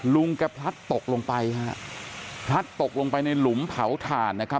ลุงแกพลัดตกลงไปฮะพลัดตกลงไปในหลุมเผาถ่านนะครับ